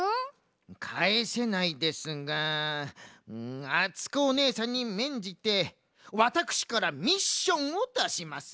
かえせないですがあつこおねえさんにめんじてワタクシからミッションをだします。